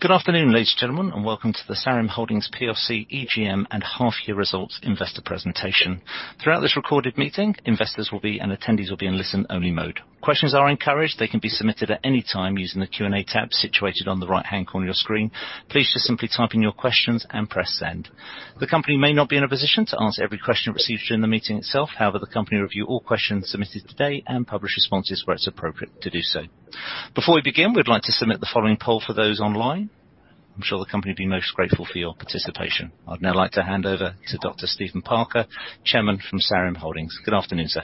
Good afternoon, ladies and gentlemen, and welcome to the Sareum Holdings plc EGM and half-year results investor presentation. Throughout this recorded meeting, investors will be, and attendees will be in listen-only mode. Questions are encouraged. They can be submitted at any time using the Q&A tab situated on the right-hand corner of your screen. Please just simply type in your questions and press send. The company may not be in a position to answer every question received during the meeting itself. However, the company will review all questions submitted today and publish responses where it's appropriate to do so. Before we begin, we'd like to submit the following poll for those online. I'm sure the company will be most grateful for your participation. I'd now like to hand over to Dr. Stephen Parker, chairman of Sareum Holdings. Good afternoon, sir.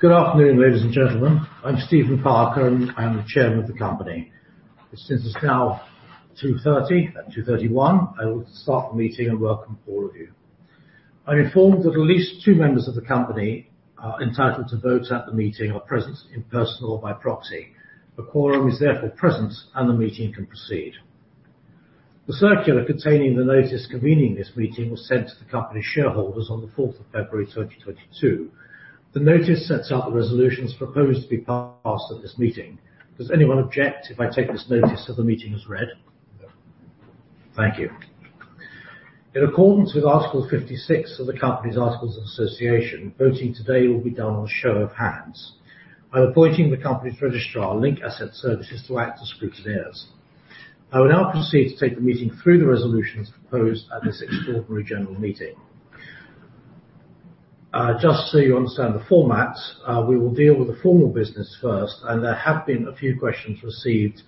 Good afternoon, ladies and gentlemen. I'm Stephen Parker, and I'm the Chairman of the company. It's now 2:30 P.M. At 2:31 P.M., I will start the meeting and welcome all of you. I'm informed that at least two members of the company are entitled to vote at the meeting or present in person or by proxy. The quorum is therefore present, and the meeting can proceed. The circular containing the notice convening this meeting was sent to the company shareholders on the fourth of February 2022. The notice sets out the resolutions proposed to be passed at this meeting. Does anyone object if I take the notice as read? Thank you. In accordance with Article 56 of the company's Articles of Association, voting today will be done on a show of hands. I'm appointing the company's registrar, Link Asset Services, to act as scrutineers. I will now proceed to take the meeting through the resolutions proposed at this extraordinary general meeting. Just so you understand the format, we will deal with the formal business first, and there have been a few questions received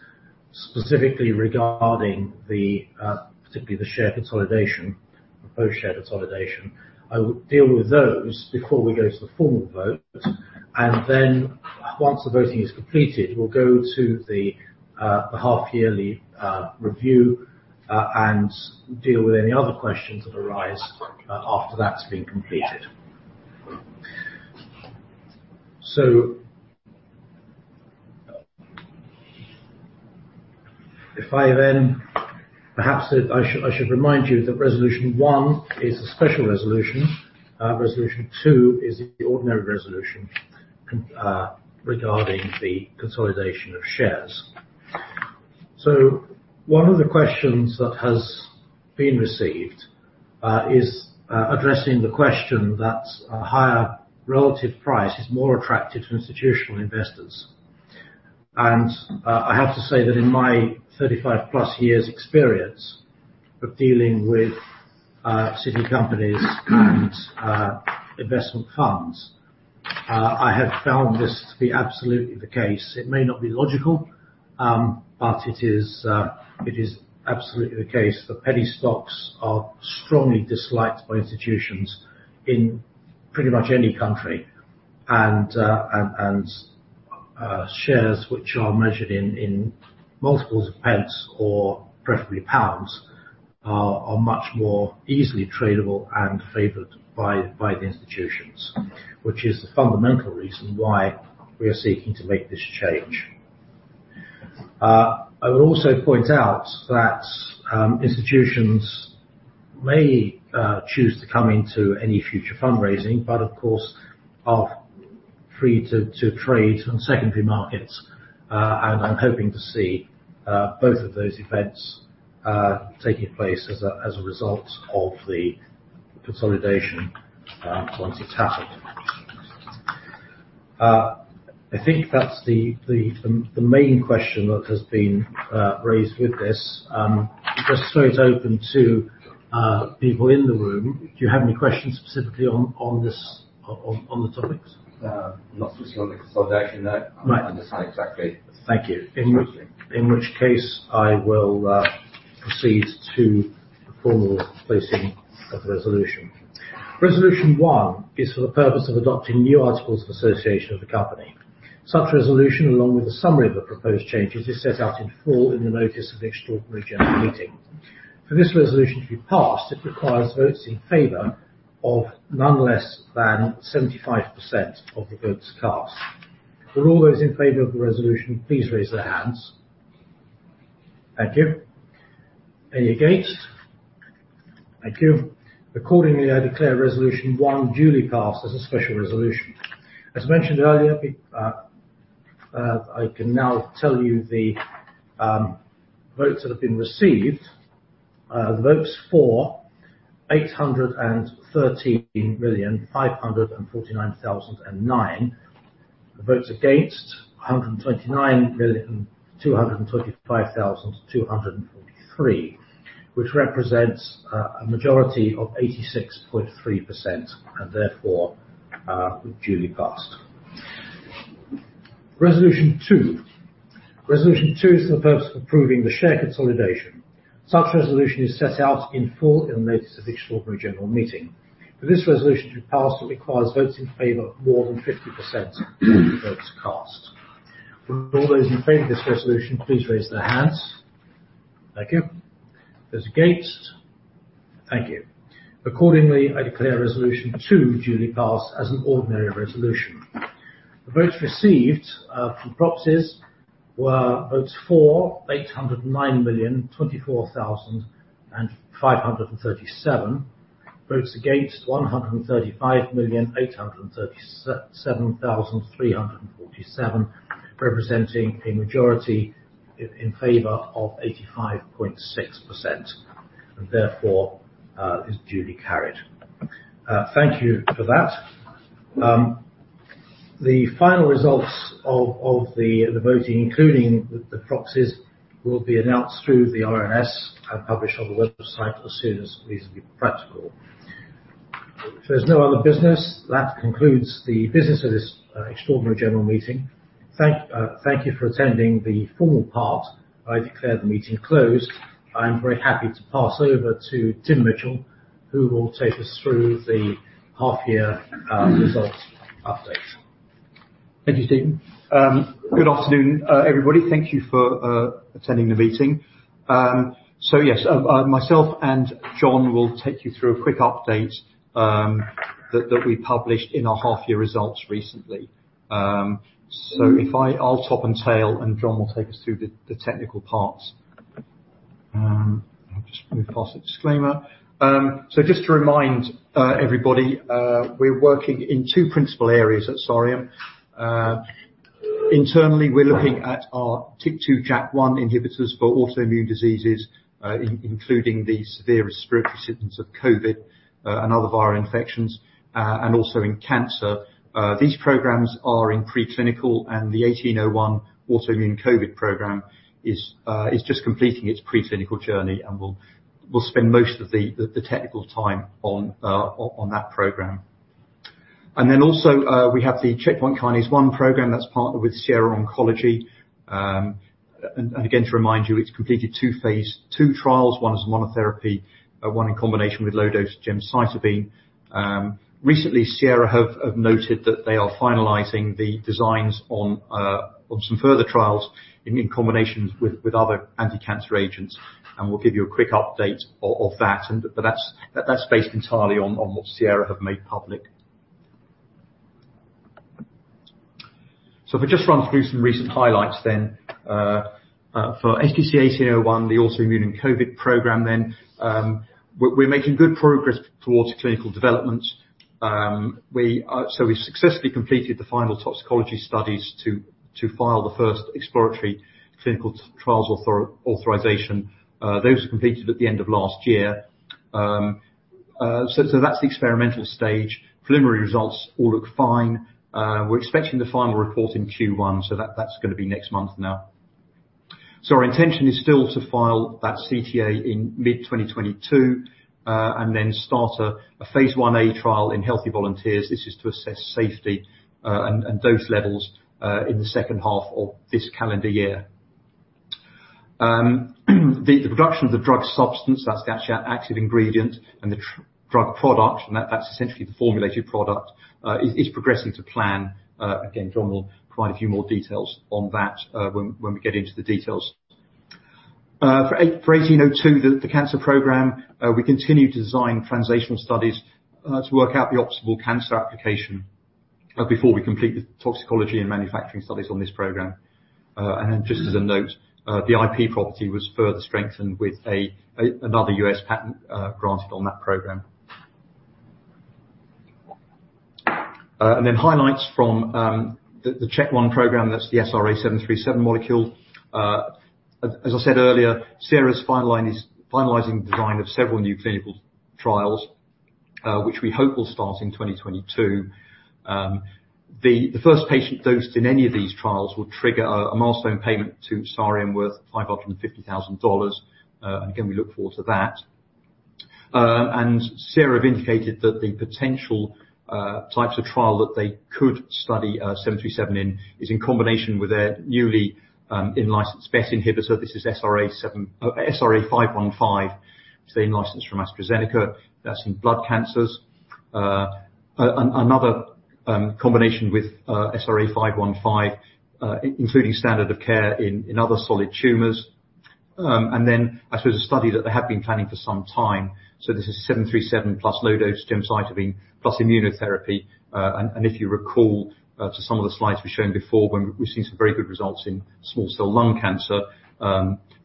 specifically regarding the, particularly the share consolidation, proposed share consolidation. I will deal with those before we go to the formal vote. Once the voting is completed, we'll go to the half-yearly review and deal with any other questions that arise after that's been completed. I should remind you that resolution one is a special resolution. Resolution two is the ordinary resolution regarding the consolidation of shares. One of the questions that has been received is addressing the question that a higher relative price is more attractive to institutional investors. I have to say that in my 35+ years experience of dealing with city companies and investment funds, I have found this to be absolutely the case. It may not be logical, but it is absolutely the case that penny stocks are strongly disliked by institutions in pretty much any country. Shares which are measured in multiples of pence or preferably pounds are much more easily tradable and favored by the institutions, which is the fundamental reason why we are seeking to make this change. I would also point out that institutions may choose to come into any future fundraising, but of course, are free to trade on secondary markets. I'm hoping to see both of those events taking place as a result of the consolidation once it's happened. I think that's the main question that has been raised with this. Just throw it open to people in the room. Do you have any questions specifically on this, on the topics? Not specifically on the consolidation, no. Right. I understand exactly. Thank you. In which case I will proceed to the formal passing of the resolution. Resolution one is for the purpose of adopting new articles of association of the company. Such resolution, along with a summary of the proposed changes, is set out in full in the notice of the extraordinary general meeting. For this resolution to be passed, it requires votes in favor of no less than 75% of the votes cast. Will all those in favor of the resolution please raise their hands. Thank you. Any against? Thank you. Accordingly, I declare resolution one duly passed as a special resolution. As mentioned earlier, I can now tell you the votes that have been received. The votes for 813,549,009. The votes against, 129,225,243. Which represents a majority of 86.3% and therefore duly passed. Resolution 2. Resolution 2 is for the purpose of approving the share consolidation. Such resolution is set out in full in the notice of the extraordinary general meeting. For this resolution to be passed, it requires votes in favor of more than 50% of votes cast. Will all those in favor of this resolution please raise their hands. Thank you. Those against? Thank you. Accordingly, I declare Resolution two duly passed as an ordinary resolution. The votes received from proxies were votes for, 809,024,537. Votes against, 135,837,347. Representing a majority in favor of 85.6%, and therefore, is duly carried. Thank you for that. The final results of the voting, including the proxies, will be announced through the RNS and published on the website as soon as it is practical. If there's no other business, that concludes the business of this extraordinary general meeting. Thank you for attending the formal part. I declare the meeting closed. I'm very happy to pass over to Tim Mitchell, who will take us through the half-year results update. Thank you, Stephen. Good afternoon, everybody. Thank you for attending the meeting. Yes, myself and John will take you through a quick update that we published in our half-year results recently. I'll top and tail, and John will take us through the technical parts. I'll just move past the disclaimer. Just to remind everybody, we're working in two principal areas at Sareum. Internally, we're looking at our TYK2/JAK1 inhibitors for autoimmune diseases, including the severe respiratory symptoms of COVID and other viral infections, and also in cancer. These programs are in preclinical, and the 1801 autoimmune COVID program is just completing its preclinical journey and will spend most of the technical time on that program. We have the Checkpoint Kinase one program that's partnered with Sierra Oncology. Again, to remind you, it's completed two phase II trials. One is monotherapy, one in combination with low-dose gemcitabine. Recently, Sierra have noted that they are finalizing the designs on some further trials in combinations with other anti-cancer agents, and we'll give you a quick update of that, but that's based entirely on what Sierra have made public. If I just run through some recent highlights then. For SDC-1801, the autoimmune and COVID program then, we're making good progress towards clinical development. We successfully completed the final toxicology studies to file the first exploratory clinical trials authorization. Those were completed at the end of last year. That's the experimental stage. Preliminary results all look fine. We're expecting the final report in Q1. That's gonna be next month now. Our intention is still to file that CTA in mid-2022 and then start a phase Ia trial in healthy volunteers. This is to assess safety and dose levels in the second half of this calendar year. The production of the drug substance, that's the actual active ingredient and the drug product, and that's essentially the formulated product, is progressing to plan. Again, John will provide a few more details on that when we get into the details. For 1802, the cancer program, we continue to design translational studies to work out the optimal cancer application before we complete the toxicology and manufacturing studies on this program. Just as a note, the IP property was further strengthened with another U.S. patent granted on that program. Highlights from the Checkpoint program, that's the SRA737 molecule. As I said earlier, Sierra's finalizing the design of several new clinical trials, which we hope will start in 2022. The first patient dosed in any of these trials will trigger a milestone payment to Sareum worth $550,000. We look forward to that. Sierra have indicated that the potential types of trial that they could study SRA737 in is in combination with their newly in-licensed BET inhibitor. This is SRA515. It's a license from AstraZeneca that's in blood cancers. Another combination with SRA515, including standard of care in other solid tumors. I suppose a study that they have been planning for some time. This is SRA737 plus low-dose gemcitabine plus immunotherapy. If you recall, some of the slides we've shown before when we've seen some very good results in small cell lung cancer,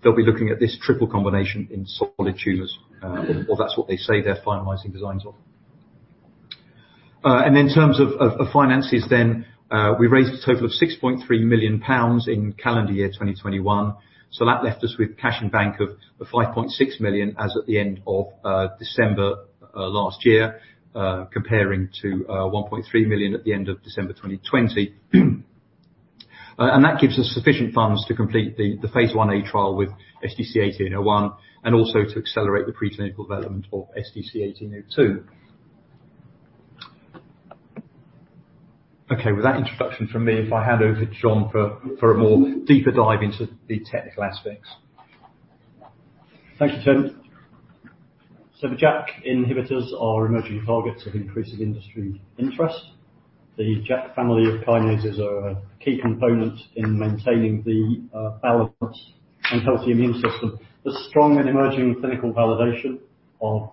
they'll be looking at this triple combination in solid tumors, or that's what they say they're finalizing designs of. In terms of finances then, we raised a total of 6.3 million pounds in calendar year 2021, so that left us with cash in bank of 5.6 million as at the end of December last year, comparing to 1.3 million at the end of December 2020. That gives us sufficient funds to complete the phase 1a trial with SDC-1801 and also to accelerate the preclinical development of SDC-1802. Okay, with that introduction from me, if I hand over to John for a more deeper dive into the technical aspects. Thank you, Tim. The JAK inhibitors are emerging targets of increasing industry interest. The JAK family of kinases are a key component in maintaining the balance and healthy immune system. The strong and emerging clinical validation of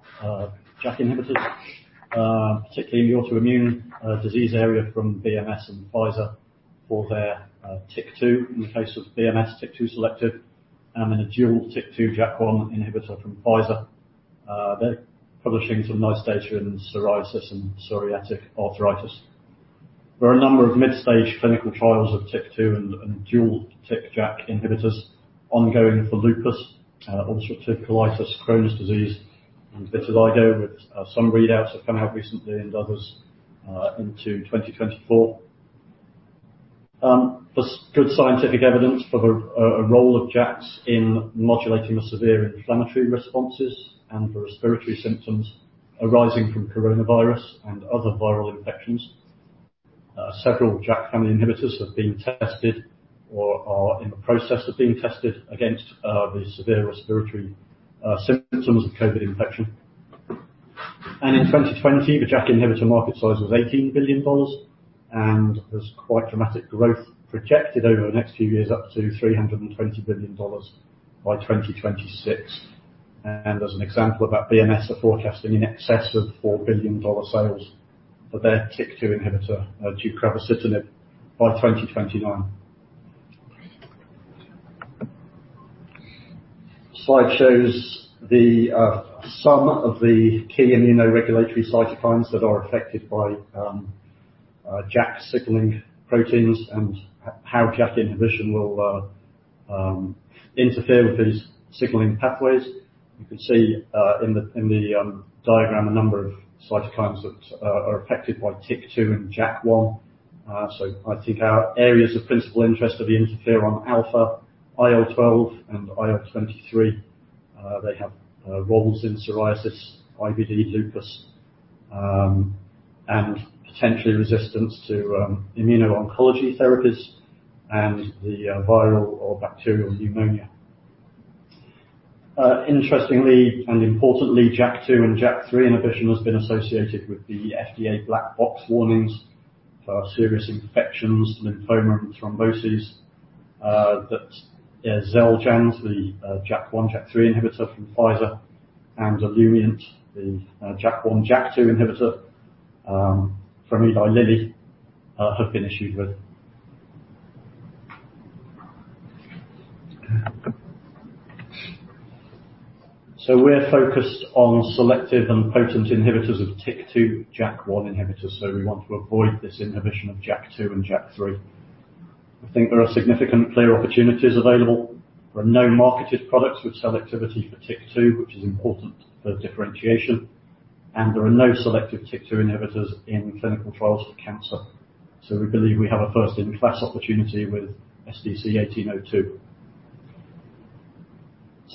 JAK inhibitors. Particularly in the autoimmune disease area from BMS and Pfizer for their TYK2. In the case of BMS, TYK2 selective, and a dual TYK2/JAK1 inhibitor from Pfizer. They're publishing some nice data in psoriasis and psoriatic arthritis. There are a number of mid-stage clinical trials of TYK2 and dual TYK/JAK inhibitors ongoing for lupus, ulcerative colitis, Crohn's disease, and vitiligo, with some readouts that have come out recently and others into 2024. There's good scientific evidence for a role of JAKs in modulating the severe inflammatory responses and for respiratory symptoms arising from coronavirus and other viral infections. Several JAK family inhibitors have been tested or are in the process of being tested against the severe respiratory symptoms of COVID infection. In 2020, the JAK inhibitor market size was $18 billion and there's quite dramatic growth projected over the next few years, up to $320 billion by 2026. As an example of that, BMS are forecasting in excess of $4 billion sales for their TYK2 inhibitor, deucravacitinib, by 2029. The slide shows some of the key immunoregulatory cytokines that are affected by JAK signaling proteins and how JAK inhibition will interfere with these signaling pathways. You can see in the diagram a number of cytokines that are affected by TYK2 and JAK1. I think our areas of principal interest are the interferon alpha, IL-12 and IL-23. They have roles in psoriasis, IBD, lupus, and potentially resistance to immuno-oncology therapies and the viral or bacterial pneumonia. Interestingly and importantly, JAK2 and JAK3 inhibition has been associated with the FDA black box warnings for serious infections, lymphoma, and thrombosis that Xeljanz, the JAK1/JAK3 inhibitor from Pfizer and Olumiant, the JAK1/JAK2 inhibitor from Eli Lilly, have been issued with. We're focused on selective and potent inhibitors of TYK2/JAK1 inhibitors, so we want to avoid this inhibition of JAK2 and JAK3. I think there are significant clear opportunities available. There are no marketed products with selectivity for TYK2, which is important for differentiation, and there are no selective TYK2 inhibitors in clinical trials for cancer. We believe we have a first in class opportunity with SDC-1802.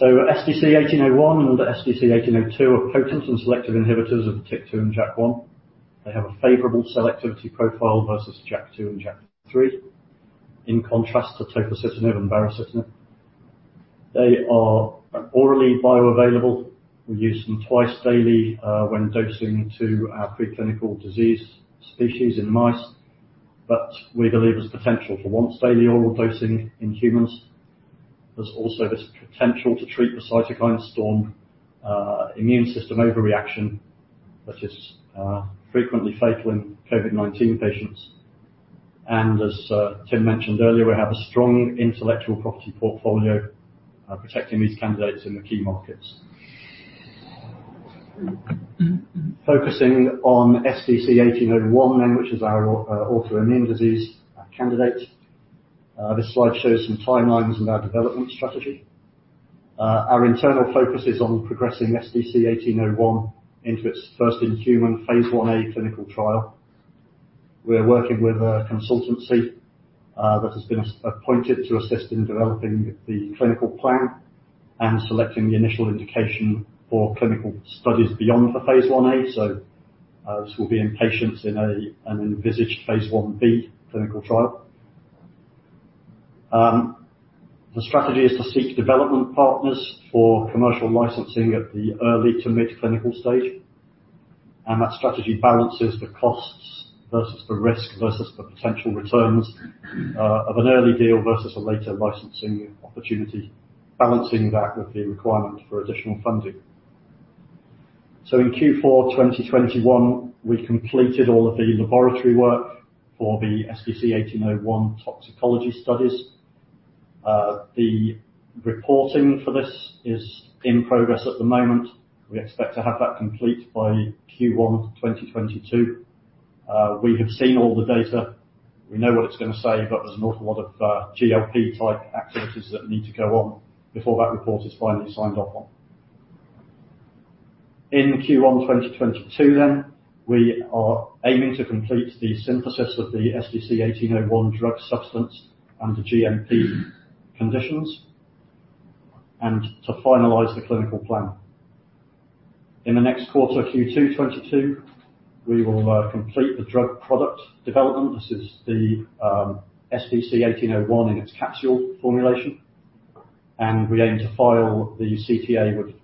SDC-1801 and SDC-1802 are potent and selective inhibitors of TYK2 and JAK1. They have a favorable selectivity profile versus JAK2 and JAK3, in contrast to tofacitinib and baricitinib. They are orally bioavailable. We use them twice daily when dosing to our preclinical disease species in mice, but we believe there's potential for once daily oral dosing in humans. There's also this potential to treat the cytokine storm, immune system overreaction that is frequently fatal in COVID-19 patients. As Tim mentioned earlier, we have a strong intellectual property portfolio protecting these candidates in the key markets. Focusing on SDC-1801 then, which is our autoimmune disease candidate. This slide shows some timelines in our development strategy. Our internal focus is on progressing SDC-1801 into its first-in-human phase IA clinical trial. We're working with a consultancy that has been appointed to assist in developing the clinical plan and selecting the initial indication for clinical studies beyond the phase IA. This will be in patients in an envisaged phase IB clinical trial. The strategy is to seek development partners for commercial licensing at the early to mid-clinical stage. That strategy balances the costs versus the risk versus the potential returns of an early deal versus a later licensing opportunity, balancing that with the requirement for additional funding. In Q4 2021, we completed all of the laboratory work for the SDC-1801 toxicology studies. The reporting for this is in progress at the moment. We expect to have that complete by Q1 2022. We have seen all the data. We know what it's gonna say, but there's an awful lot of GLP-type activities that need to go on before that report is finally signed off on. In Q1 2022, we are aiming to complete the synthesis of the SDC-1801 drug substance under GMP conditions and to finalize the clinical plan. In the next quarter, Q2 2022, we will complete the drug product development. This is the SDC-1801 in its capsule formulation, and we aim to file the CTA with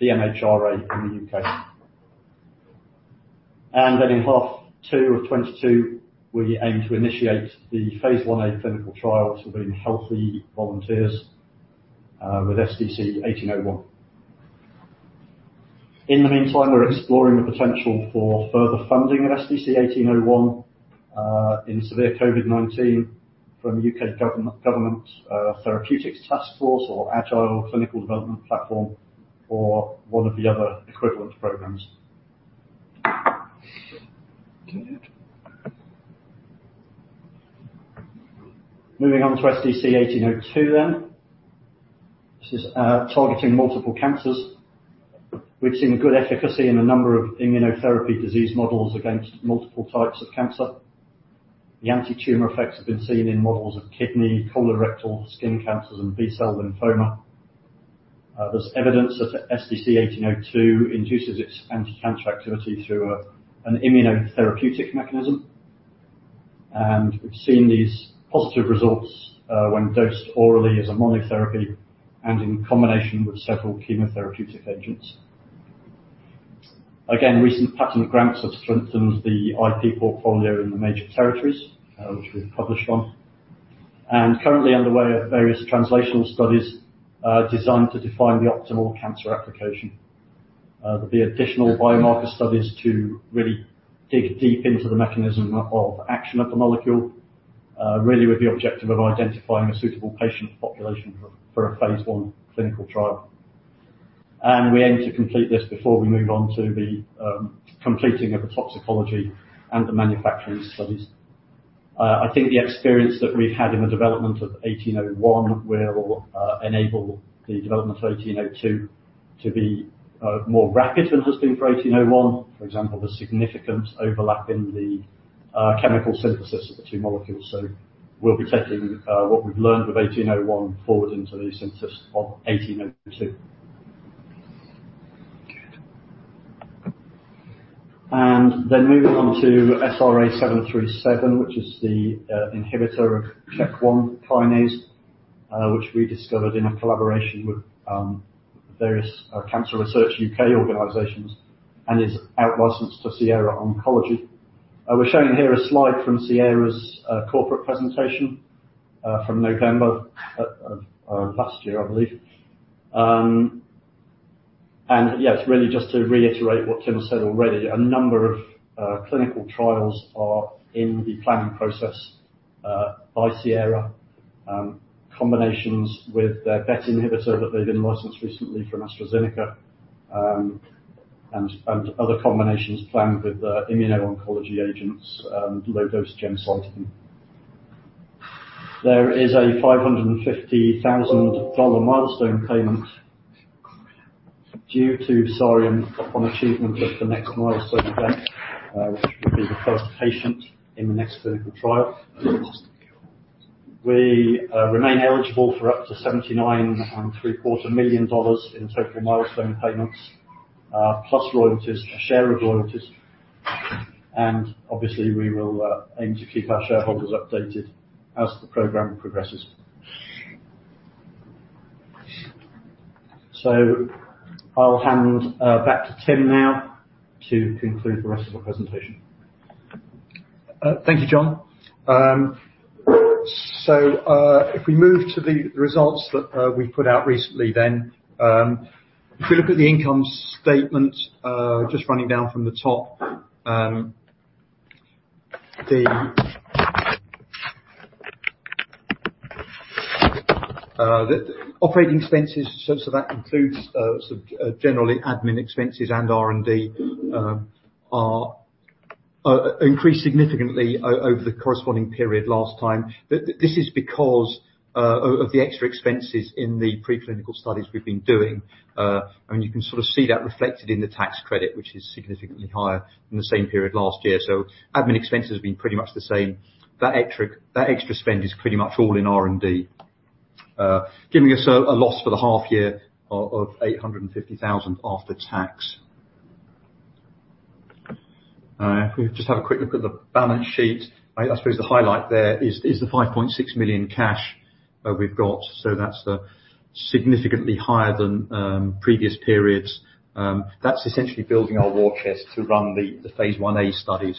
the MHRA in the U.K. In H2 2022, we aim to initiate the phase I-A clinical trial to bring healthy volunteers with SDC-1801. In the meantime, we're exploring the potential for further funding of SDC-1801 in severe COVID-19 from UK government, Therapeutics Taskforce or Agile Clinical Development Platform or one of the other equivalent programs. Moving on to SDC-1802. This is targeting multiple cancers. We've seen good efficacy in a number of immunotherapy disease models against multiple types of cancer. The antitumor effects have been seen in models of kidney, colorectal, skin cancers, and B-cell lymphoma. There's evidence that SDC-1802 induces its anticancer activity through an immunotherapeutic mechanism. We've seen these positive results when dosed orally as a monotherapy and in combination with several chemotherapeutic agents. Recent patent grants have strengthened the IP portfolio in the major territories, which we've published on. Currently underway are various translational studies, designed to define the optimal cancer application. There'll be additional biomarker studies to really dig deep into the mechanism of action of the molecule, really with the objective of identifying a suitable patient population for a phase I clinical trial. We aim to complete this before we move on to the completing of the toxicology and the manufacturing studies. I think the experience that we've had in the development of eighteen oh one will enable the development of eighteen oh two to be more rapid than it has been for eighteen oh one. For example, the significant overlap in the chemical synthesis of the two molecules. We'll be taking what we've learned with eighteen oh one forward into the synthesis of eighteen oh two. Then moving on to SRA737, which is the inhibitor of CHK1 kinase, which we discovered in a collaboration with various Cancer Research UK organizations and is out-licensed to Sierra Oncology. We're showing here a slide from Sierra's corporate presentation from November of last year, I believe. Yeah, it's really just to reiterate what Tim said already. A number of clinical trials are in the planning process by Sierra. Combinations with their BET inhibitor that they've been licensed recently from AstraZeneca and other combinations planned with the immuno-oncology agents and low-dose gemcitabine. There is a $550,000 milestone payment due to Sareum upon achievement of the next milestone event, which will be the first patient in the next clinical trial. We remain eligible for up to $79.75 million in total milestone payments, plus royalties, a share of royalties. Obviously, we will aim to keep our shareholders updated as the program progresses. I'll hand back to Tim now to conclude the rest of the presentation. Thank you, John. If we move to the results that we put out recently then, if you look at the income statement, just running down from the top, the operating expenses, so that includes generally admin expenses and R&D, are increased significantly over the corresponding period last time. This is because of the extra expenses in the preclinical studies we've been doing. You can sort of see that reflected in the tax credit, which is significantly higher than the same period last year. Admin expenses have been pretty much the same. That extra spend is pretty much all in R&D, giving us a loss for the half year of 850,000 after tax. If we just have a quick look at the balance sheet. I suppose the highlight there is the 5.6 million cash we've got, so that's significantly higher than previous periods. That's essentially building our war chest to run the phase I-A studies.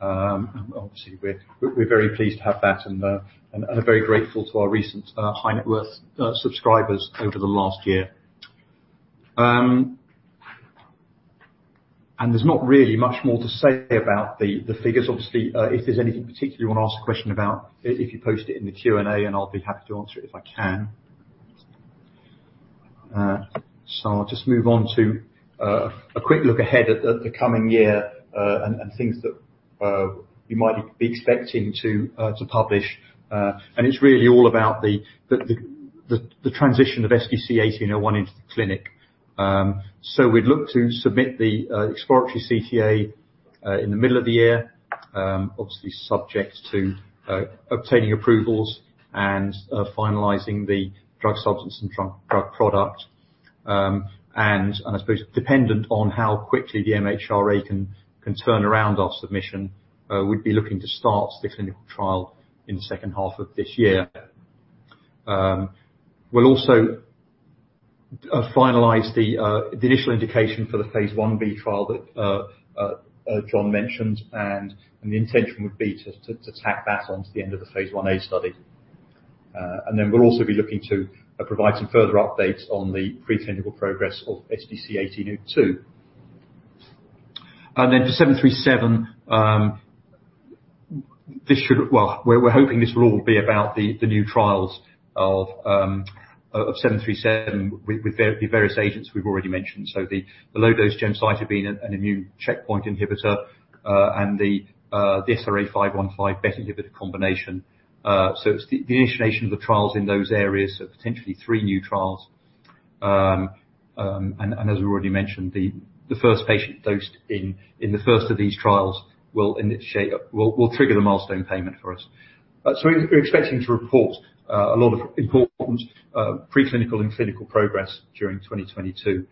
Obviously, we're very pleased to have that and are very grateful to our recent high net worth subscribers over the last year. There's not really much more to say about the figures. Obviously, if there's anything particular you wanna ask a question about, if you post it in the Q&A, I'll be happy to answer it if I can. I'll just move on to a quick look ahead at the coming year and things that we might be expecting to publish. It's really all about the transition of SDC-1801 into the clinic. We'd look to submit the exploratory CTA in the middle of the year, obviously subject to obtaining approvals and finalizing the drug substance and drug product. I suppose dependent on how quickly the MHRA can turn around our submission, we'd be looking to start the clinical trial in the second half of this year. We'll also finalize the initial indication for the phase Ib trial that John mentioned. The intention would be to tack that on to the end of the phase Ia study. We'll also be looking to provide some further updates on the preclinical progress of SDC-1802. For SRA737, we're hoping this will all be about the new trials of SRA737 with the various agents we've already mentioned. Low-dose gemcitabine and immune checkpoint inhibitor and the SRA515 BET inhibitor combination. It's the initiation of the trials in those areas. Potentially three new trials. As we already mentioned, the first patient dosed in the first of these trials will trigger the milestone payment for us. We're expecting to report a lot of important pre-clinical and clinical progress during 2022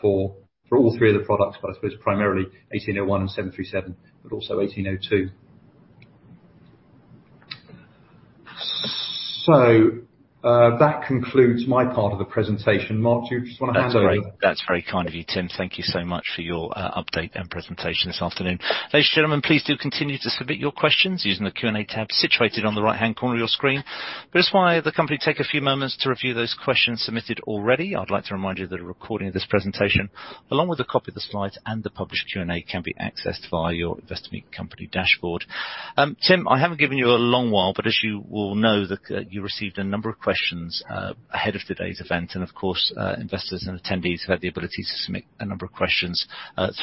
for all three of the products, but I suppose primarily 1801 and 737, but also 1802. That concludes my part of the presentation. Mark, do you just wanna hand over? That's very kind of you, Tim. Thank you so much for your update and presentation this afternoon. Ladies and gentlemen, please do continue to submit your questions using the Q&A tab situated on the right-hand corner of your screen. But just while the company take a few moments to review those questions submitted already, I'd like to remind you that a recording of this presentation, along with a copy of the slides and the published Q&A, can be accessed via your Investor Meet Company dashboard. Tim, I haven't given you a long while, but as you will know that you received a number of questions ahead of today's event. Of course, investors and attendees have had the ability to submit a number of questions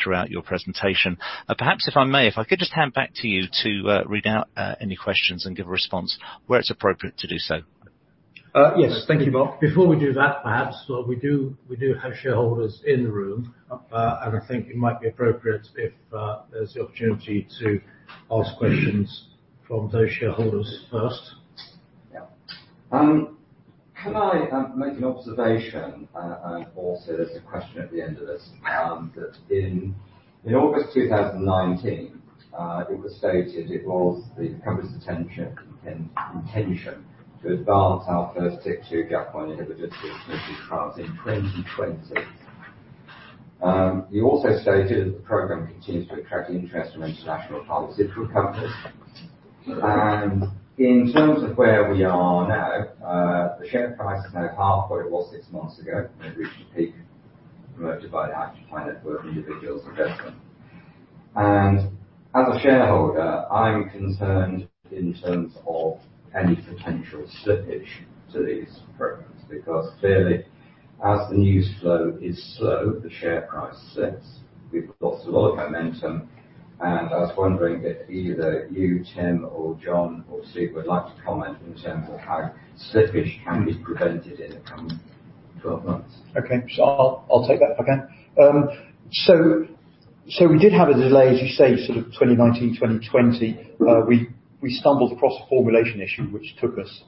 throughout your presentation. Perhaps, if I may, if I could just hand back to you to read out any questions and give a response where it's appropriate to do so. Yes. Thank you, Mark. Before we do that, perhaps, well, we do have shareholders in the room. I think it might be appropriate if there's the opportunity to ask questions from those shareholders first. Yeah. Can I make an observation? Also there's a question at the end of this. That in August 2019, it was stated that it was the company's intention to advance our first two Chk1 inhibitors through clinical trials in 2020. You also stated that the program continues to attract interest from international pharmaceutical companies. In terms of where we are now, the share price is now half what it was 6 months ago. [Inaudiable]. As a shareholder, I'm concerned in terms of any potential slippage to these programs. Because clearly, as the news flow is slow, the share price slips. We've lost a lot of momentum. I was wondering if either you, Tim, or John, or Steve would like to comment in terms of how slippage can be prevented in the coming 12 months. Okay. I'll take that if I can. We did have a delay, as you say, sort of 2019, 2020. We stumbled across a formulation issue which took us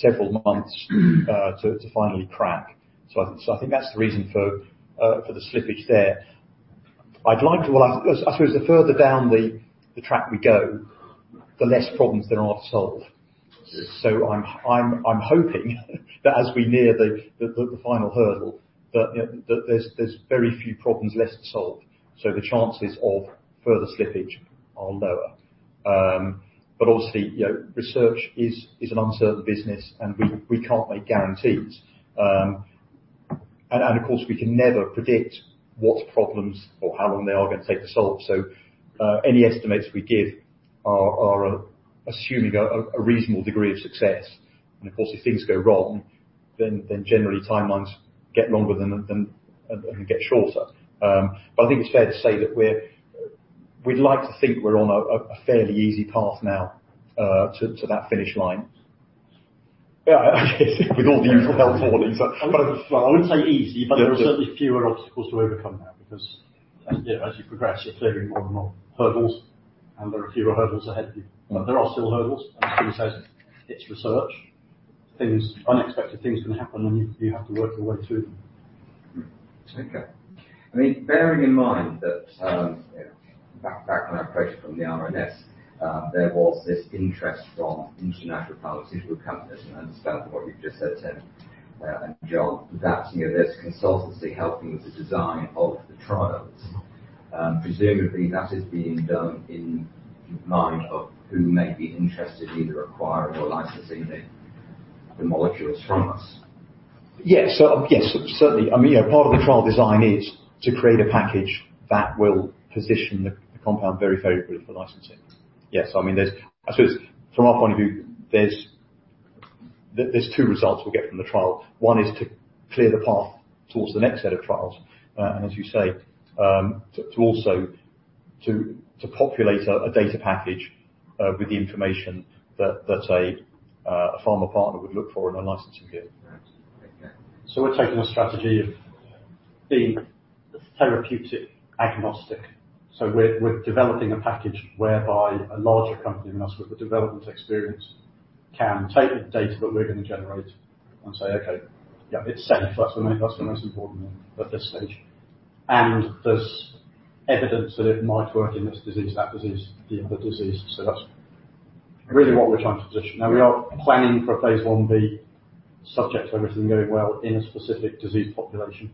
several months to finally crack. I think that's the reason for the slippage there. I'd like to. Well, I suppose the further down the track we go, the less problems there are to solve. Yes. I'm hoping that as we near the final hurdle, that there's very few problems left to solve. The chances of further slippage are lower. Obviously, you know, research is an uncertain business, and we can't make guarantees. Of course, we can never predict what problems or how long they are gonna take to solve. Any estimates we give are assuming a reasonable degree of success. Of course, if things go wrong, then generally timelines get longer than get shorter. I think it's fair to say we'd like to think we're on a fairly easy path now, to that finish line. Yeah. With all the usual health warnings. I wouldn't say. Yeah. There are certainly fewer obstacles to overcome now because as, you know, as you progress, you're clearing more and more hurdles, and there are fewer hurdles ahead of you. Right. There are still hurdles. As Tim says, it's research. Things. Unexpected things can happen, and you have to work your way through them. Okay. I mean, bearing in mind that back when I approached from the RNS, there was this interest from international pharmaceutical companies, and I understand from what you've just said, Tim, and John, that you know, there's consultancy helping with the design of the trials. Presumably that is being done in mind of who may be interested in either acquiring or licensing the molecules from us. Yes. Yes, certainly. I mean, you know, part of the trial design is to create a package that will position the compound very favorably for licensing. Yes. I mean, there's. I suppose from our point of view, there's two results we'll get from the trial. One is to clear the path towards the next set of trials. And as you say, to also populate a data package with the information that a pharma partner would look for in a licensing deal. Right. Okay. We're taking a strategy of being therapeutic agnostic. We're developing a package whereby a larger company than us with the development experience can take the data that we're gonna generate and say, "Okay, yeah, it's safe." That's the most important one at this stage. "And there's evidence that it might work in this disease, that disease, the other disease." That's really what we're trying to position. Now we are planning for a phase Ib subject to everything going well in a specific disease population.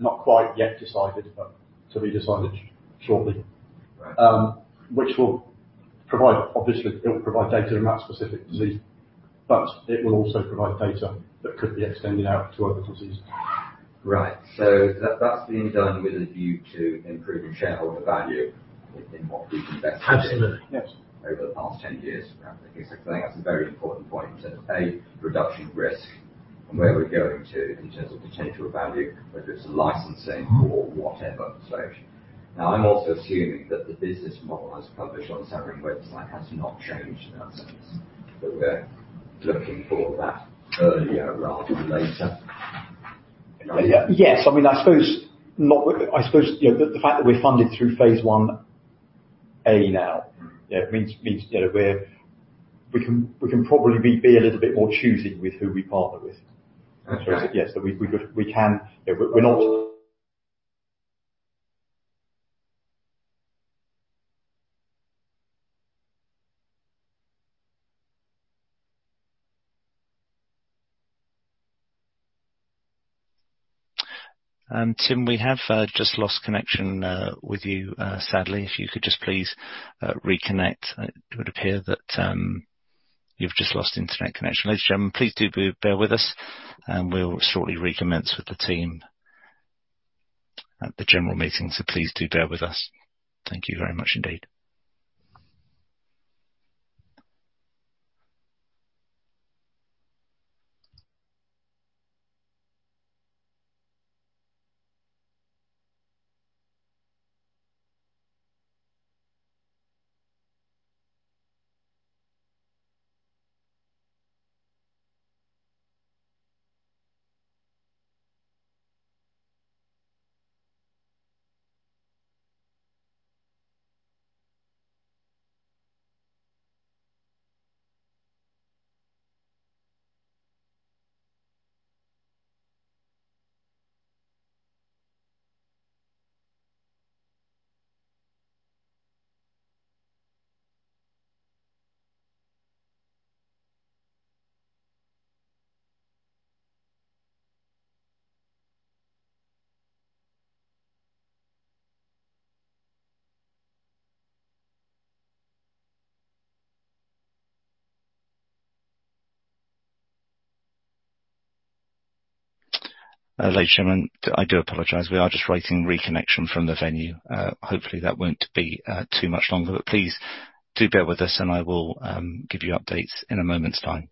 Not quite yet decided, but to be decided shortly. Which will provide, obviously, it will provide data in that specific disease, but it will also provide data that could be extended out to other diseases. Right. That, that's being done with a view to improving shareholder value in what we've invested. Absolutely. Yes. Over the past 10 years. I think that's a very important point in a risk reduction and where we're going to in terms of potential value, whether it's licensing or whatever. Now I'm also assuming that the business model as published on Sareum website has not changed in that sense. That we're looking for that earlier rather than later. Yes. I mean, I suppose not. I suppose the fact that we're funded through phase Ia now. It means that we can probably be a little bit more choosy with who we partner with. Okay. Yes. We can. We're not- Tim, we have just lost connection with you sadly. If you could just please reconnect. It would appear that you've just lost internet connection. Ladies and gentlemen, please do bear with us, and we'll shortly recommence with the team at the general meeting. Please do bear with us. Thank you very much indeed. Ladies and gentlemen, I do apologize. We are just waiting reconnection from the venue. Hopefully, that won't be too much longer. Please do bear with us, and I will give you updates in a moment's time.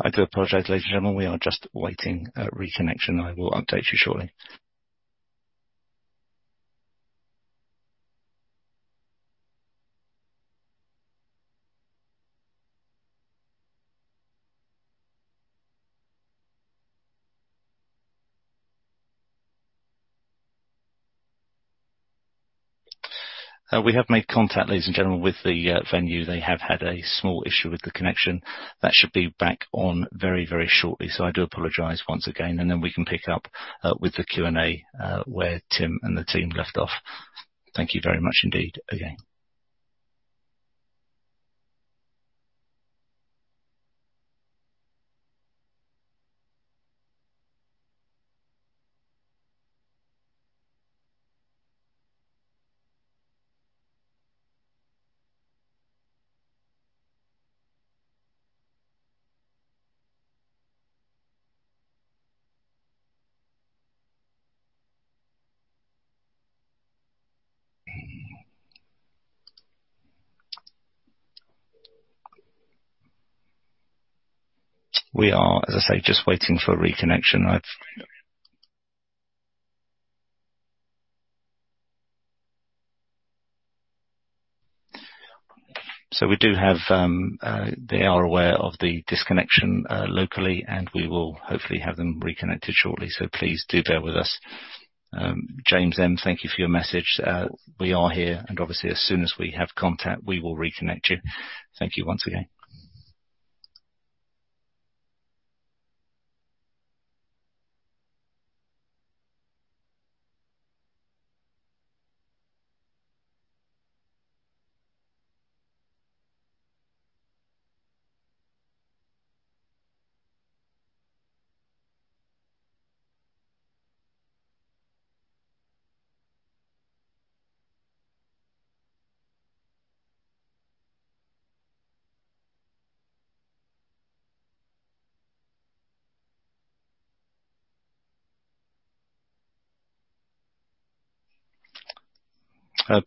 I do apologize, ladies and gentlemen. We are just waiting reconnection. I will update you shortly. We have made contact, ladies and gentlemen, with the venue. They have had a small issue with the connection. That should be back on very, very shortly. I do apologize once again, and then we can pick up with the Q&A where Tim and the team left off. Thank you very much indeed again. We are, as I say, just waiting for reconnection. We do have they are aware of the disconnection locally, and we will hopefully have them reconnected shortly. Please do bear with us. James M, thank you for your message. We are here, and obviously, as soon as we have contact, we will reconnect you. Thank you once again.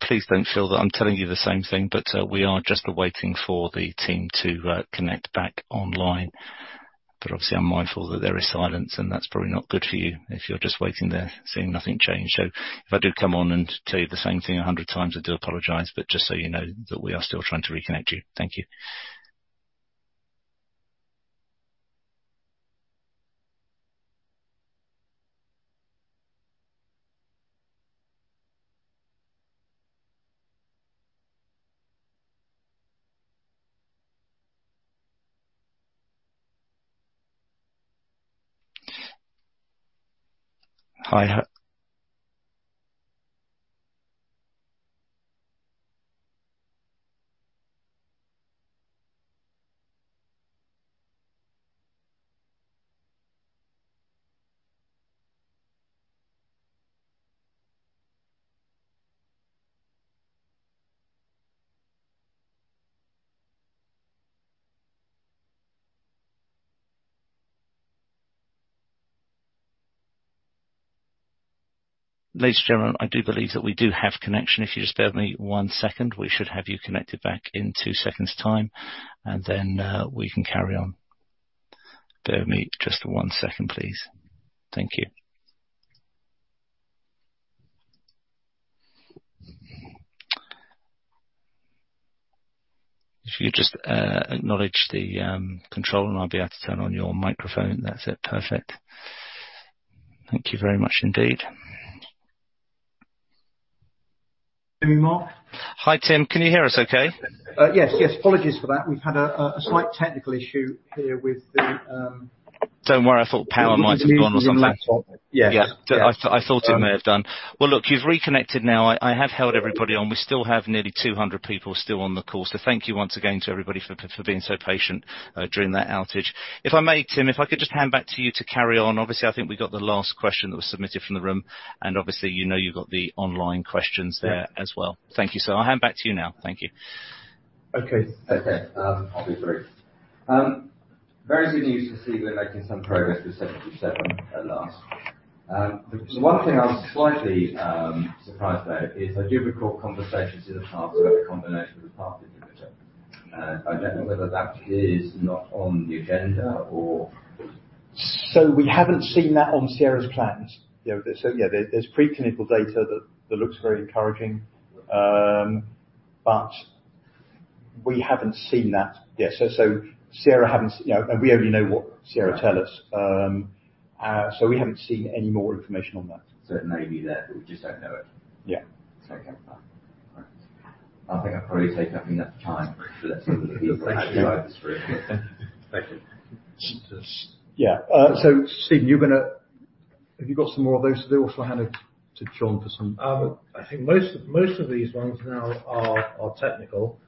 Please don't feel that I'm telling you the same thing, but we are just waiting for the team to connect back online. Obviously, I'm mindful that there is silence, and that's probably not good for you if you're just waiting there seeing nothing change. If I do come on and tell you the same thing 100 times, I do apologize, but just so you know that we are still trying to reconnect you. Thank you. Hi. Ladies and gentlemen, I do believe that we do have connection. If you just bear with me one second, we should have you connected back in two seconds time, and then we can carry on. Bear with me just one second, please. Thank you. If you just acknowledge the control and I'll be able to turn on your microphone. That's it. Perfect. Thank you very much indeed. Can you hear me, Mark? Hi, Tim. Can you hear us okay? Yes. Apologies for that. We've had a slight technical issue here with the Don't worry. I thought power might have gone or something. Yes. Yeah. I thought it may have done. Well, look, you've reconnected now. I have held everybody on. We still have nearly 200 people still on the call. Thank you once again to everybody for being so patient during that outage. If I may, Tim, if I could just hand back to you to carry on. Obviously, I think we got the last question that was submitted from the room, and obviously, you know you've got the online questions there as well. Thank you. I'll hand back to you now. Thank you. Okay. I'll be brief. Very good news to see we're making some progress with SRA737 at last. The one thing I'm slightly surprised about is I do recall conversations in the past about the combination with PARP inhibitor. I don't know whether that is not on the agenda or. We haven't seen that on Sierra's plans. Yeah. Yeah, there's preclinical data that looks very encouraging, but we haven't seen that yet. Sierra hasn't. You know, and we only know what Sierra tell us. We haven't seen any more information on that. It may be there, but we just don't know it. Yeah. Okay. Fine. All right. I think I'll probably take up enough time for the next set of people. Thank you. Thank you. Yeah. Stephen, have you got some more of those? They also handed to John for some. I think most of these ones now are technical.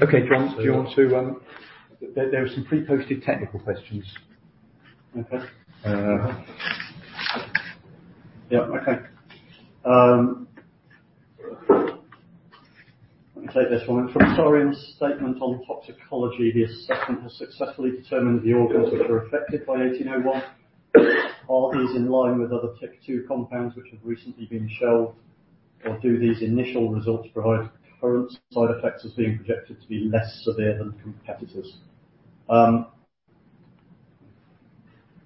Okay. John, do you want to? There are some pre-posted technical questions. Okay. Uh. Yeah. Okay. Let me take this one. From Sareum's statement on toxicology assessment has successfully determined the organs which are affected by SDC-1801. Are these in line with other TYK2 compounds which have recently been shelved? Or do these initial results provide current side effects as being projected to be less severe than competitors?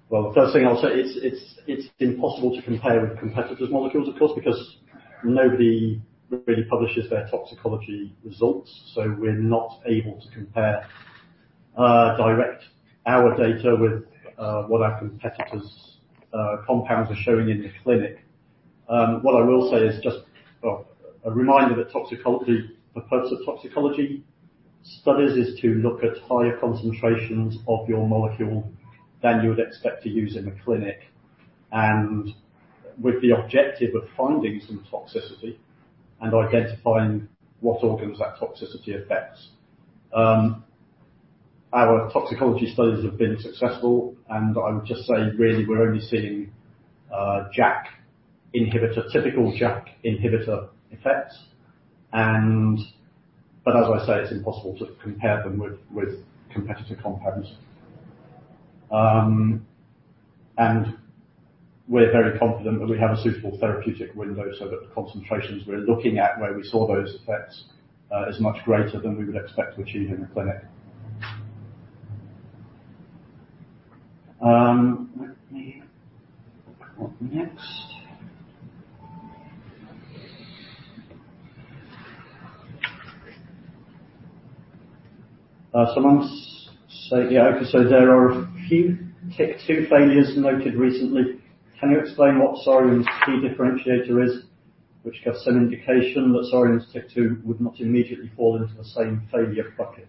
Well, the first thing I'll say it's impossible to compare with competitors' molecules, of course, because nobody really publishes their toxicology results, so we're not able to compare directly our data with what our competitors' compounds are showing in the clinic. What I will say is just, well, a reminder that the purpose of toxicology studies is to look at higher concentrations of your molecule than you would expect to use in the clinic, and with the objective of finding some toxicity and identifying what organs that toxicity affects. Our toxicology studies have been successful, and I would just say, really, we're only seeing JAK inhibitor, typical JAK inhibitor effects. But as I say, it's impossible to compare them with competitor compounds. We're very confident that we have a suitable therapeutic window so that the concentrations we're looking at, where we saw those effects, is much greater than we would expect to achieve in the clinic. There are a few TYK2 failures noted recently. Can you explain what Sareum's key differentiator is, which gives some indication that Sareum's TYK2 would not immediately fall into the same failure bucket?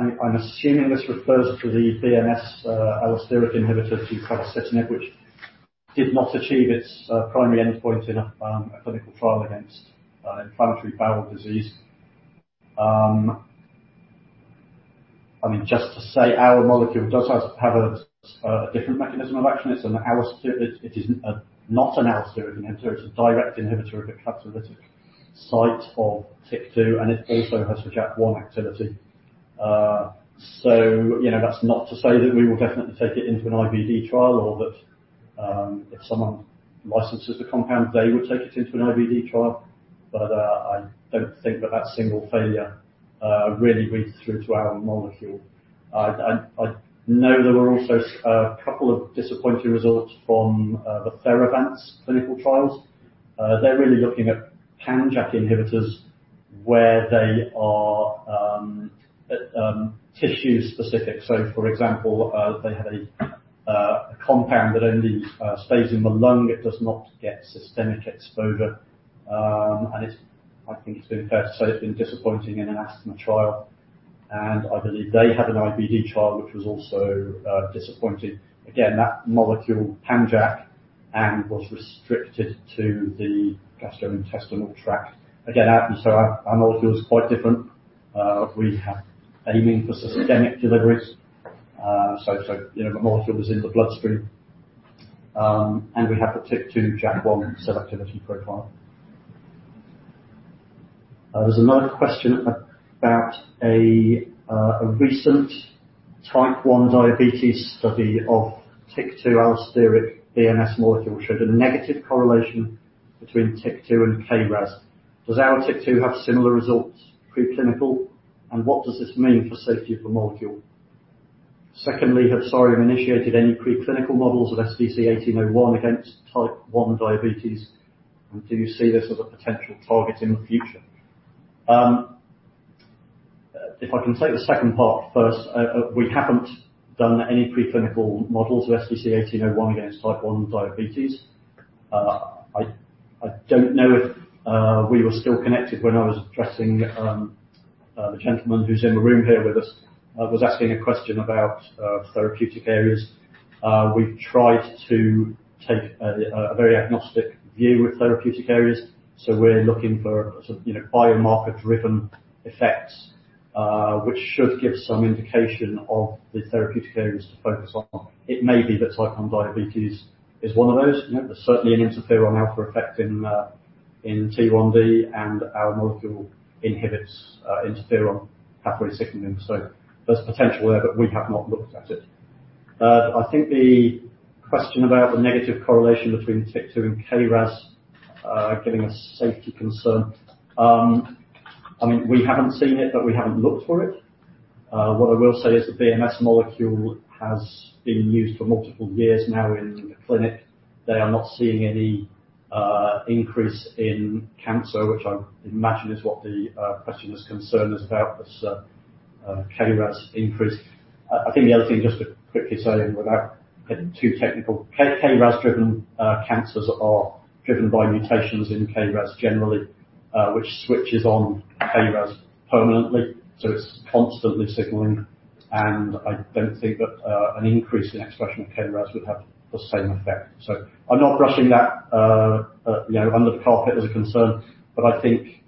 I'm assuming this refers to the BMS allosteric inhibitor BMS-986165, which did not achieve its primary endpoint in a clinical trial against inflammatory bowel disease. I mean, just to say our molecule does have a different mechanism of action. It is not an allosteric inhibitor. It's a direct inhibitor of the catalytic site of TYK2, and it also has a JAK1 activity. So, you know, that's not to say that we will definitely take it into an IBD trial or that if someone licenses the compound, they will take it into an IBD trial. I don't think that single failure really reads through to our molecule. I know there were also a couple of disappointing results from the Theravance clinical trials. They're really looking at pan-JAK inhibitors where they are tissue-specific. So, for example, they had a compound that only stays in the lung. It does not get systemic exposure. And I think it's fair to say it's been disappointing in an asthma trial. I believe they had an IBD trial which was also disappointing. Again, that molecule, pan-JAK, was restricted to the gastrointestinal tract. Again, our molecule is quite different. We are aiming for systemic delivery. So, you know, the molecule is in the bloodstream. And we have the TYK2/JAK1 selectivity profile. There's another question about a recent Type 1 diabetes study of TYK2 allosteric BMS molecule showed a negative correlation between TYK2 and K-RAS. Does our TYK2 have similar results preclinical, and what does this mean for safety of the molecule? Secondly, have Sareum initiated any preclinical models of SDC-1801 against Type 1 diabetes? And do you see this as a potential target in the future? If I can take the second part first. We haven't done any preclinical models of SDC-1801 against Type 1 diabetes. I don't know if we were still connected when I was addressing the gentleman who's in the room here with us was asking a question about therapeutic areas. We've tried to take a very agnostic view with therapeutic areas. We're looking for sort of, you know, biomarker-driven effects, which should give some indication of the therapeutic areas to focus on. It may be that Type 1 diabetes is one of those. You know, there's certainly an interferon alpha effect in T1D, and our molecule inhibits interferon pathway signaling. There's potential there, but we have not looked at it. I think the question about the negative correlation between TYK2 and K-RAS giving a safety concern. I mean, we haven't seen it, but we haven't looked for it. What I will say is the BMS molecule has been used for multiple years now in the clinic. They are not seeing any increase in cancer, which I imagine is what the question is concerned about this K-RAS increase. I think the other thing, just to quickly say without getting too technical. K-RAS driven cancers are driven by mutations in K-RAS generally, which switches on K-RAS permanently, so it's constantly signaling. I don't think that an increase in expression of K-RAS would have the same effect. I'm not brushing that, you know, under the carpet as a concern, but I think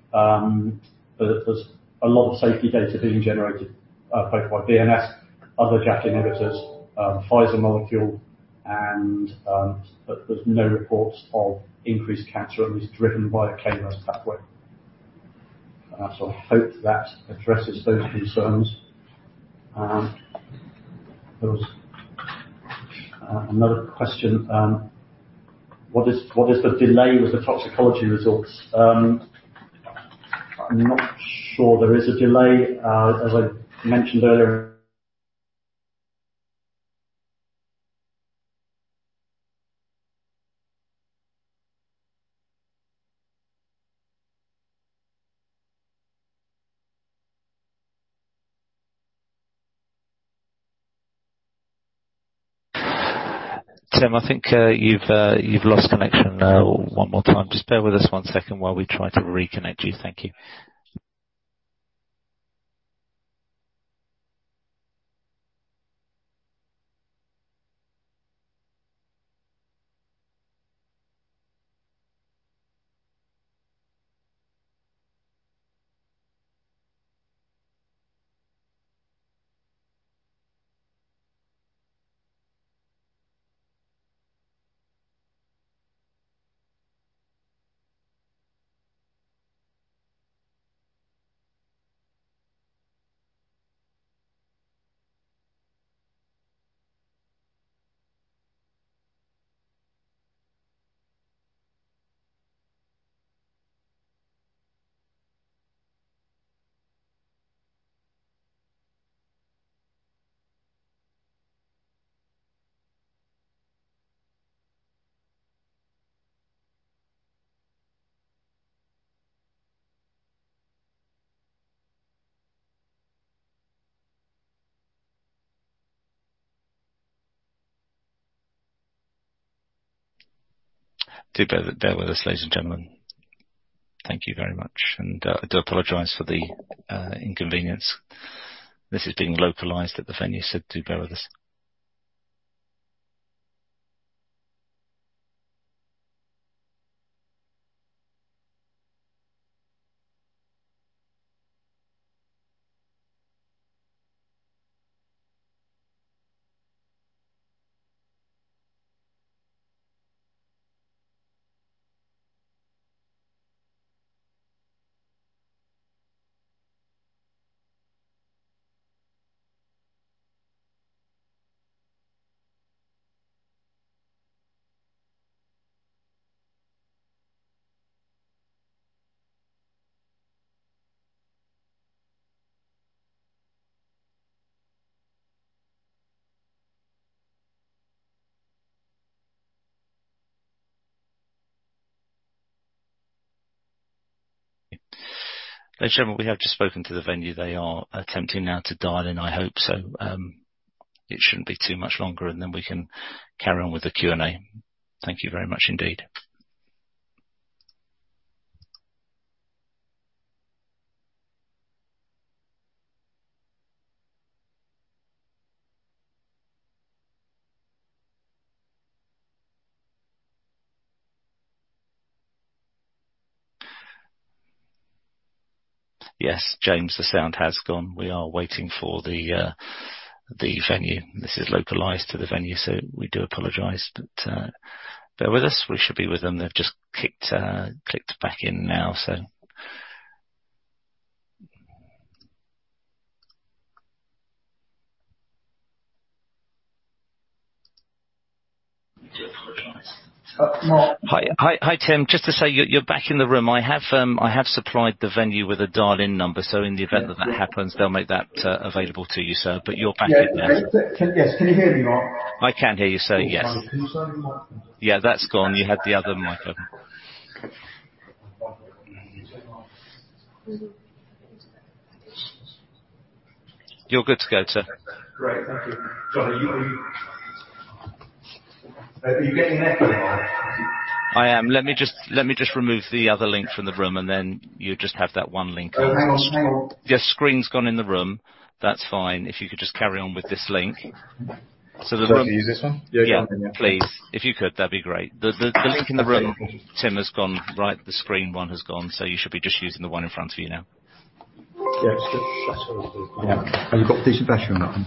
there's a lot of safety data being generated both by BMS, other JAK inhibitors, Pfizer molecule and, but there's no reports of increased cancer, at least driven by a K-RAS pathway. I hope that addresses those concerns. There was another question. What is the delay with the toxicology results? I'm not sure there is a delay. As I mentioned earlier- Tim, I think you've lost connection one more time. Just bear with us one second while we try to reconnect you. Thank you. Do bear with us, ladies and gentlemen. Thank you very much. I do apologize for the inconvenience. This is being localized at the venue, so do bear with us. Ladies and gentlemen, we have just spoken to the venue. They are attempting now to dial in, I hope so. It shouldn't be too much longer, and then we can carry on with the Q&A. Thank you very much indeed. Yes, James, the sound has gone. We are waiting for the venue. This is localized to the venue, so we do apologize, but bear with us. We should be with them. They've just clicked back in now, so. Do apologize. Hi, Tim. Just to say you're back in the room. I have supplied the venue with a dial-in number, so in the event that happens, they'll make that available to you, sir. You're back in there. Yes. Can you hear me, Mark? I can hear you, sir, yes. Yeah, that's gone. You had the other microphone. You're good to go, sir. Great. Thank you. John, are you getting an echo there? I am. Let me just remove the other link from the room, and then you'll just have that one link. Hang on. Your screen's gone in the room. That's fine. If you could just carry on with this link. Do you want me to use this one? Yeah, yeah. Please. If you could, that'd be great. The link in the room, Tim, has gone. Right, the screen one has gone, so you should be just using the one in front of you now. Yes. Yeah. Have you got the battery on that one?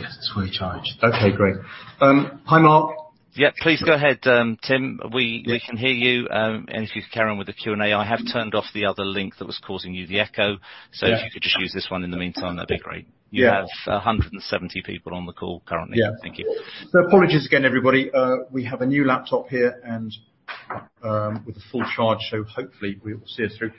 Yes, it's fully charged. Okay, great. Hi, Mark. Yeah, please go ahead, Tim. We can hear you. If you'd carry on with the Q&A. I have turned off the other link that was causing you the echo. Yeah. If you could just use this one in the meantime, that'd be great. Yeah. You have 170 people on the call currently. Yeah. Thank you. Apologies again, everybody. We have a new laptop here and with a full charge, so hopefully will see us through.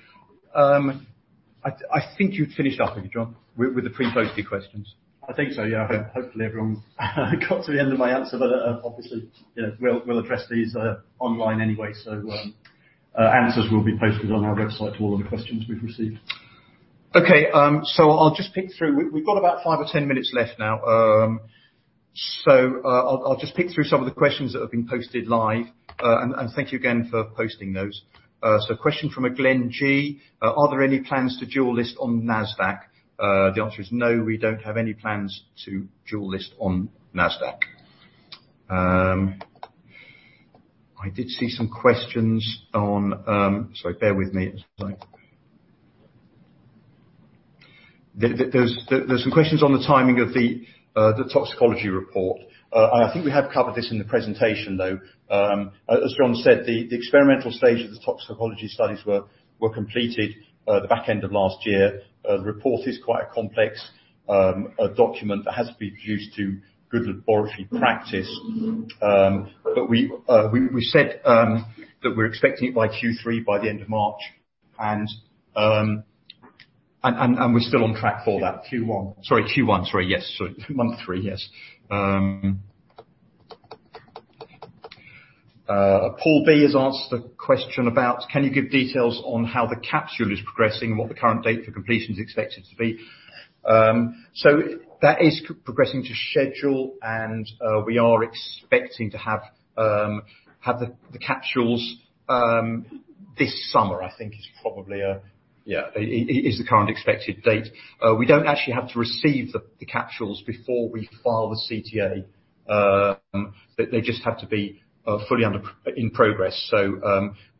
I think you'd finished up, had you, John, with the pre-posted questions? I think so, yeah. Hopefully everyone got to the end of my answer. Obviously, you know, we'll address these online anyway, so answers will be posted on our website to all of the questions we've received. Okay, I'll just pick through. We've got about five or 10 minutes left now. I'll just pick through some of the questions that have been posted live. Thank you again for posting those. Question from Glenn G. "Are there any plans to dual list on NASDAQ?" The answer is no. We don't have any plans to dual list on NASDAQ. I did see some questions on. Sorry, bear with me. There's some questions on the timing of the toxicology report. I think we have covered this in the presentation, though. As John said, the experimental stage of the toxicology studies were completed, the back end of last year. The report is quite a complex document that has to be produced to good laboratory practice. But we said that we're expecting it by Q3, by the end of March. We're still on track for that Q1. Sorry, Q1. Sorry, yes. Sorry. Month three, yes. Paul B has asked a question about, "Can you give details on how the capsule is progressing and what the current date for completion is expected to be?" That is progressing to schedule, and we are expecting to have the capsules this summer. I think is probably yeah is the current expected date. We don't actually have to receive the capsules before we file the CTA. They just have to be fully in progress.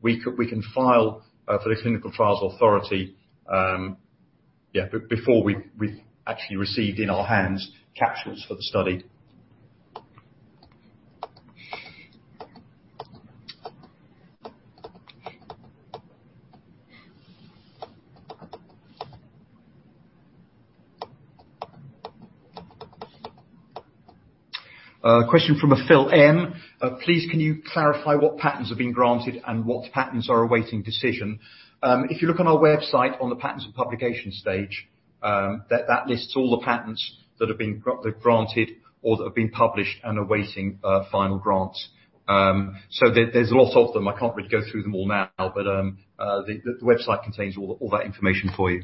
We can file for the Clinical Trial Authorisation before we've actually received in our hands capsules for the study. Question from Phil M. "Please can you clarify what patents have been granted and what patents are awaiting decision?" If you look on our website on the patents at publication stage, that lists all the patents that have been granted or that have been published and are awaiting final grant. There are a lot of them. I can't really go through them all now, but the website contains all that information for you.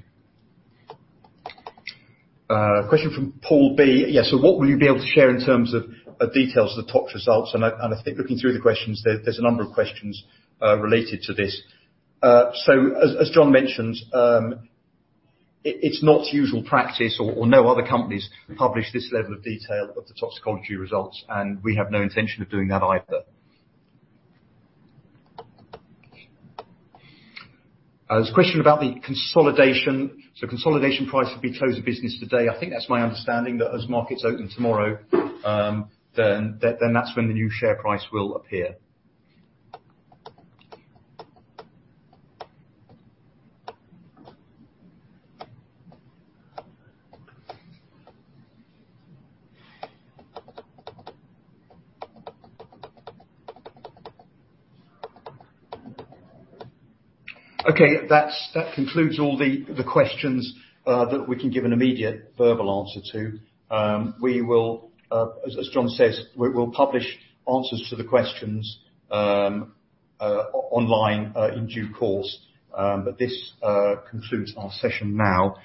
Question from Paul B. So what will you be able to share in terms of details of the tox results?" I think looking through the questions there's a number of questions related to this. As John mentioned, it's not usual practice or no other companies publish this level of detail of the toxicology results, and we have no intention of doing that either. There's a question about the consolidation. Consolidation price if we close the business today, I think that's my understanding that as markets open tomorrow, then that's when the new share price will appear. Okay. That concludes all the questions that we can give an immediate verbal answer to. We will, as John says, we'll publish answers to the questions online in due course. This concludes our session now.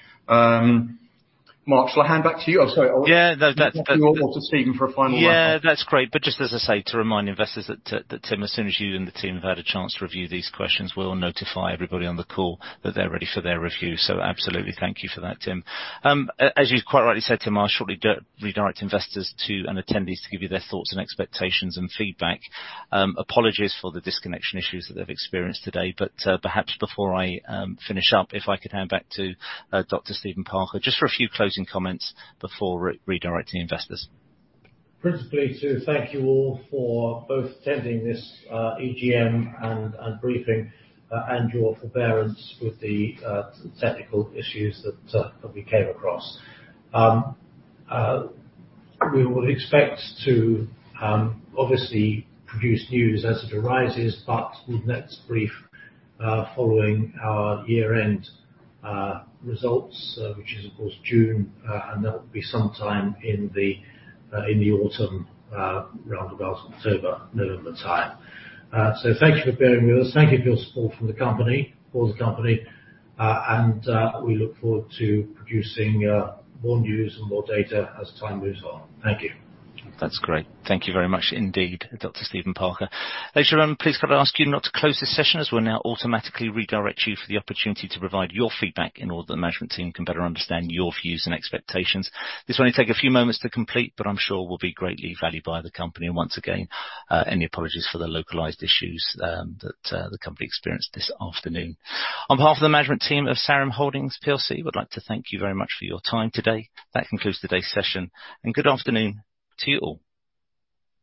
Mark, shall I hand back to you? Sorry. Yeah. To Stephen for a final Yeah, that's great. Just as I say, to remind investors that Tim, as soon as you and the team have had a chance to review these questions, we'll notify everybody on the call that they're ready for their review. Absolutely, thank you for that, Tim. As you've quite rightly said, Tim, I'll shortly redirect investors and attendees to give you their thoughts and expectations and feedback. Apologies for the disconnection issues that they've experienced today. Perhaps before I finish up, if I could hand back to Dr. Stephen Parker, just for a few closing comments before redirecting investors. Principally, to thank you all for both attending this EGM and briefing and your forbearance with the technical issues that we came across. We would expect to obviously produce news as it arises, but the next brief following our year-end results, which is of course June, and that will be some time in the autumn round about October, November time. Thank you for bearing with us. Thank you for your support for the company, and we look forward to producing more news and more data as time moves on. Thank you. That's great. Thank you very much indeed, Dr. Stephen Parker. Later on, please can I ask you not to close this session as we'll now automatically redirect you for the opportunity to provide your feedback in order that the management team can better understand your views and expectations. This will only take a few moments to complete, but I'm sure will be greatly valued by the company. Once again, our apologies for the localized issues that the company experienced this afternoon. On behalf of the management team of Sareum Holdings plc, we'd like to thank you very much for your time today. That concludes today's session and good afternoon to you all.